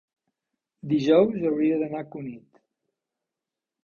dijous hauria d'anar a Cunit.